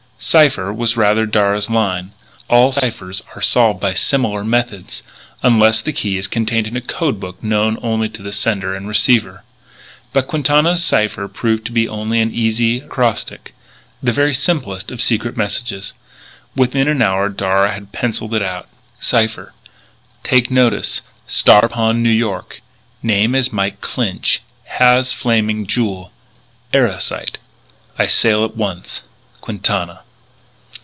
Cipher was rather in Darragh's line. All ciphers are solved by similar methods, unless the key is contained in a code book known only to sender and receiver. But Quintana's cipher proved to be only an easy acrostic the very simplest of secret messages. Within an hour Darragh had it pencilled out: Cipher "Take notice: "Star Pond, N. Y.... Name is Mike Clinch.... Has Flaming Jewel.... Erosite.... I sail at once. "QUINTANA."